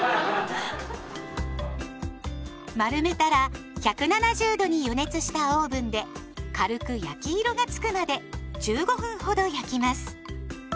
丸めたら１７０度に予熱したオーブンで軽く焼き色がつくまで１５分ほど焼きます。